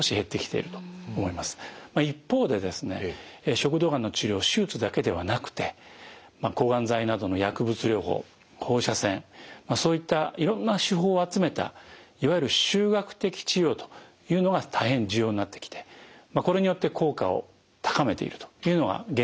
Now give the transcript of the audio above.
食道がんの治療手術だけではなくて抗がん剤などの薬物療法放射線そういったいろんな手法を集めたいわゆる集学的治療というのが大変重要になってきてこれによって効果を高めているというのが現状でございます。